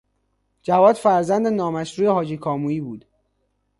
جواد فرزند نامشروع حاجی کامویی بود.